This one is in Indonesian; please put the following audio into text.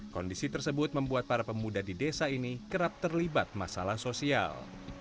kondisi tersebut membuat para pemuda di desa ini kerap terlibat masalah sosial